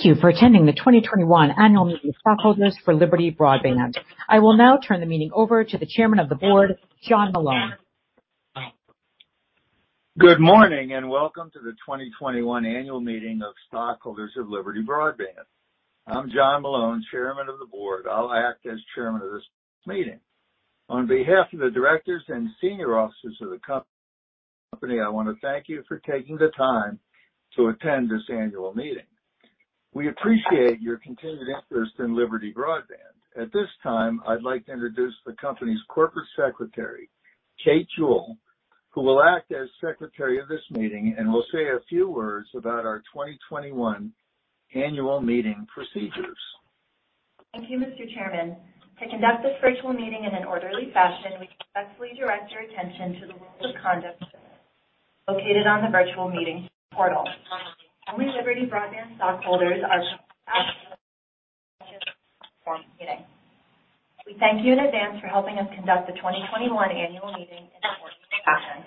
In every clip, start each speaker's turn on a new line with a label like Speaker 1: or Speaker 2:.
Speaker 1: Thank you for attending the 2021 annual meeting of stockholders for Liberty Broadband. I will now turn the meeting over to the chairman of the board, John Malone.
Speaker 2: Good morning, and welcome to the 2021 annual meeting of stockholders of Liberty Broadband. I'm John Malone, Chairman of the Board. I'll act as chairman of this meeting. On behalf of the directors and senior officers of the company, I want to thank you for taking the time to attend this annual meeting. We appreciate your continued interest in Liberty Broadband. At this time, I'd like to introduce the company's Corporate Secretary, Kate Jewell, who will act as secretary of this meeting and will say a few words about our 2021 annual meeting procedures.
Speaker 3: Thank you, Mr. Chairman. To conduct this virtual meeting in an orderly fashion, we respectfully direct your attention to the rules of conduct located on the virtual meeting portal. Only Liberty Broadband stockholders are meeting. We thank you in advance for helping us conduct the 2021 annual meeting in an orderly fashion.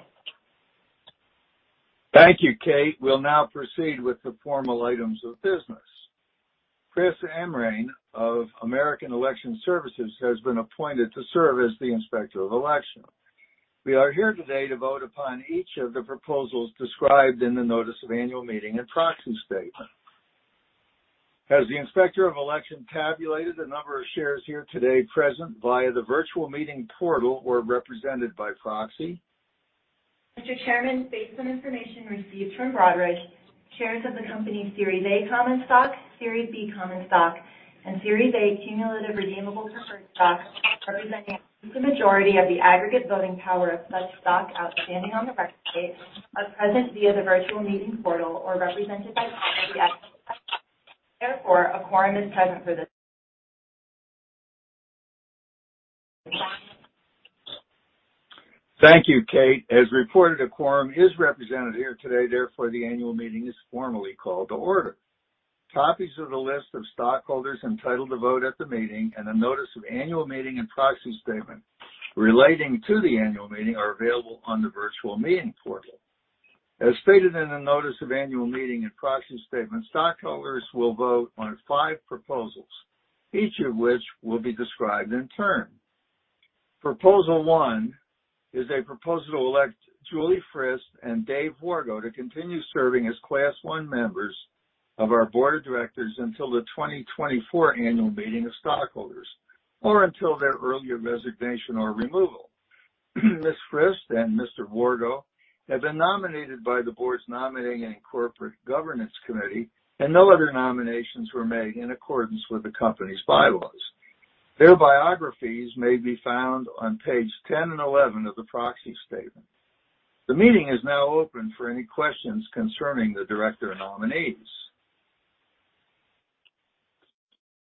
Speaker 2: Thank you, Kate. We'll now proceed with the formal items of business. Chris Amrain of American Election Services has been appointed to serve as the Inspector of Election. We are here today to vote upon each of the proposals described in the notice of annual meeting and proxy statement. Has the Inspector of Election tabulated the number of shares here today present via the virtual meeting portal or represented by proxy?
Speaker 3: Mr. Chairman, based on information received from Broadridge, shares of the company, Series A common stock, Series B common stock, and Series A cumulative redeemable preferred stock, representing a majority of the aggregate voting power of such stock outstanding on the record date are present via the virtual meeting portal or represented by proxy. Therefore, a quorum is present for this.
Speaker 2: Thank you, Kate. As reported, a quorum is represented here today, therefore, the annual meeting is formally called to order. Copies of the list of stockholders entitled to vote at the meeting and a notice of annual meeting and proxy statement relating to the annual meeting are available on the virtual meeting portal. As stated in the notice of annual meeting and proxy statement, stockholders will vote on five proposals, each of which will be described in turn. Proposal one is a proposal to elect Julie Frist and Dave Wargo to continue serving as Class I members of our board of directors until the 2024 annual meeting of stockholders or until their earlier resignation or removal. Ms. Frist and Mr. Wargo have been nominated by the board's Nominating and Corporate Governance Committee, and no other nominations were made in accordance with the company's bylaws. Their biographies may be found on page 10 and 11 of the proxy statement. The meeting is now open for any questions concerning the director nominees.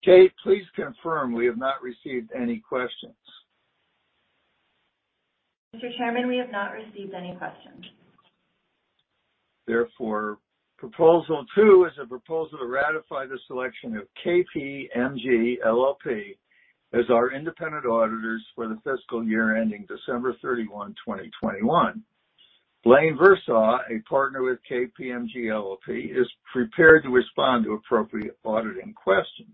Speaker 2: Kate, please confirm we have not received any questions.
Speaker 3: Mr. Chairman, we have not received any questions.
Speaker 2: Proposal two is a proposal to ratify the selection of KPMG LLP as our independent auditors for the fiscal year ending December 31, 2021. Blaine Versaw, a partner with KPMG LLP, is prepared to respond to appropriate auditing questions.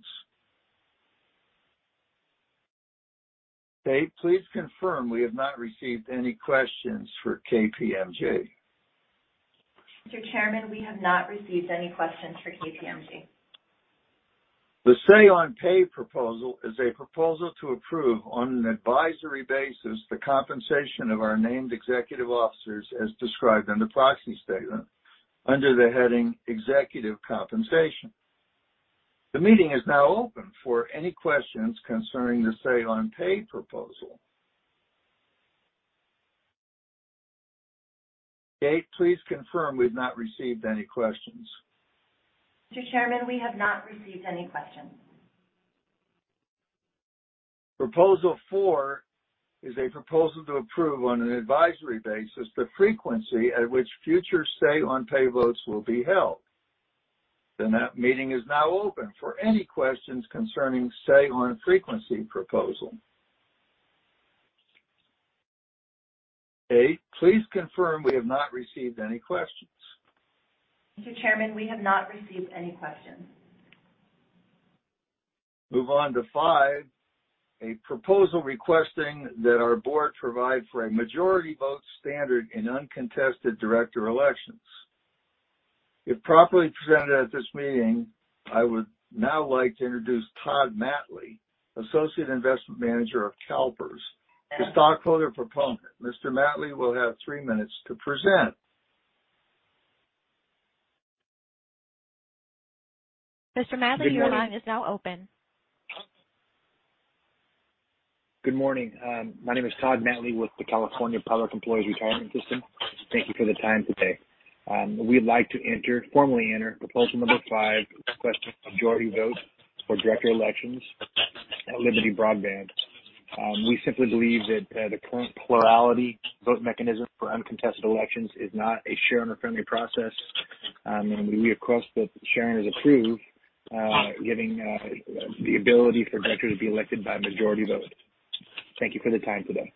Speaker 2: Kate, please confirm we have not received any questions for KPMG.
Speaker 3: Mr. Chairman, we have not received any questions for KPMG.
Speaker 2: The say-on-pay proposal is a proposal to approve, on an advisory basis, the compensation of our named executive officers as described in the proxy statement under the heading Executive Compensation. The meeting is now open for any questions concerning the say-on-pay proposal. Kate, please confirm we've not received any questions.
Speaker 3: Mr. Chairman, we have not received any questions.
Speaker 2: Proposal four is a proposal to approve, on an advisory basis, the frequency at which future say-on-pay votes will be held. The meeting is now open for any questions concerning say-on-frequency proposal. Kate, please confirm we have not received any questions.
Speaker 3: Mr. Chairman, we have not received any questions.
Speaker 2: Move on to five, a proposal requesting that our board provide for a majority vote standard in uncontested director elections. If properly presented at this meeting, I would now like to introduce Todd Mattley, Associate Investment Manager of CalPERS, the stockholder proponent. Mr. Mattley will have three minutes to present.
Speaker 3: Mr. Mattley, your line is now open.
Speaker 4: Good morning. My name is Todd Mattley with the California Public Employees' Retirement System. Thank you for the time today. We'd like to formally enter proposal number five, requesting a majority vote for director elections at Liberty Broadband. We simply believe that the current plurality vote mechanism for uncontested elections is not a shareholder-friendly process. We request that the shareholders approve getting the ability for directors to be elected by majority vote. Thank you for the time today.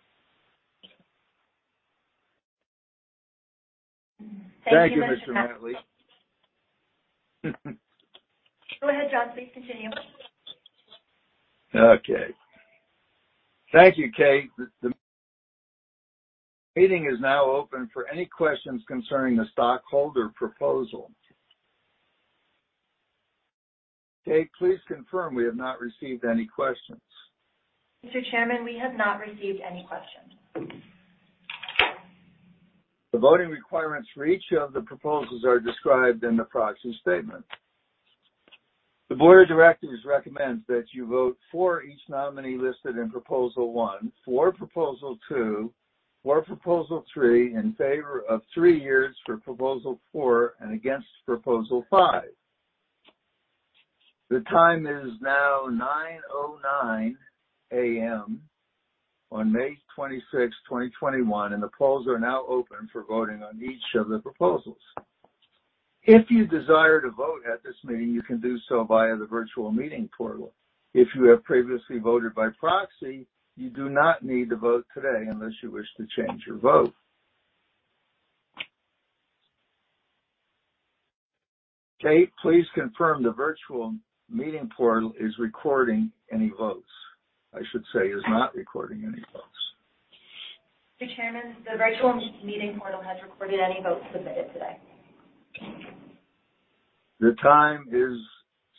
Speaker 2: Thank you, Mr. Mattley.
Speaker 3: Go ahead, John. Please continue.
Speaker 2: Okay. Thank you, Kate. The meeting is now open for any questions concerning the stockholder proposal. Kate, please confirm we have not received any questions.
Speaker 3: Mr. Chairman, we have not received any questions.
Speaker 2: The voting requirements for each of the proposals are described in the proxy statement. The board of directors recommends that you vote for each nominee listed in proposal one, for proposal two, for proposal three, in favor of three years for proposal four, and against proposal five. The time is now 9:09 A.M. on May 26, 2021, and the polls are now open for voting on each of the proposals. If you desire to vote at this meeting, you can do so via the virtual meeting portal. If you have previously voted by proxy, you do not need to vote today unless you wish to change your vote. Kate, please confirm the virtual meeting portal is recording any votes. I should say, is not recording any votes.
Speaker 3: Mr. Chairman, the virtual meeting portal has recorded any votes submitted today.
Speaker 2: The time is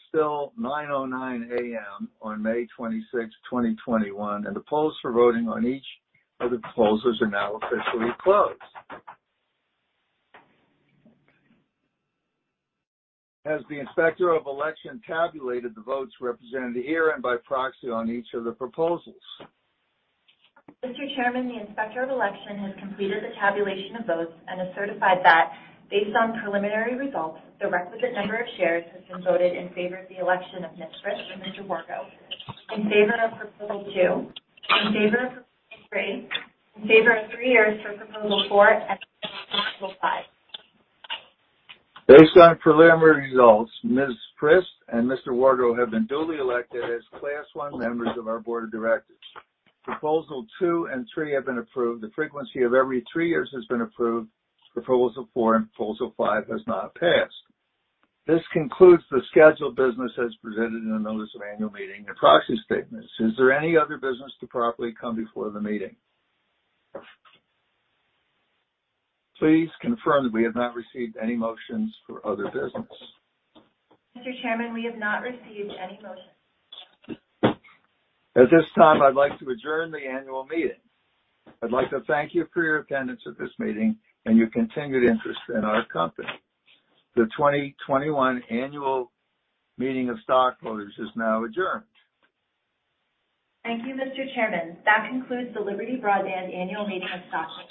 Speaker 2: still 9:09 A.M. on May 26, 2021, and the polls for voting on each of the proposals are now officially closed. Has the Inspector of Election tabulated the votes represented here and by proxy on each of the proposals?
Speaker 3: Mr. Chairman, the Inspector of Election has completed the tabulation of votes and has certified that based on preliminary results, the requisite number of shares has been voted in favor of the election of Ms. Frist and Mr. Wargo, in favor of proposal two, in favor of proposal three, in favor of three years for proposal four, and against proposal five.
Speaker 2: Based on preliminary results, Ms. Frist and Mr. Wargo have been duly elected as Class I members of our Board of Directors. Proposal two and three have been approved. The frequency of every three years has been approved. Proposal four and Proposal five has not passed. This concludes the scheduled business as presented in the notice of Annual Meeting and Proxy Statements. Is there any other business to properly come before the meeting? Please confirm that we have not received any motions for other business.
Speaker 3: Mr. Chairman, we have not received any motions.
Speaker 2: At this time, I'd like to adjourn the annual meeting. I'd like to thank you for your attendance at this meeting and your continued interest in our company. The 2021 annual meeting of stockholders is now adjourned.
Speaker 3: Thank you, Mr. Chairman. That concludes the Liberty Broadband Annual Meeting of Stockholders.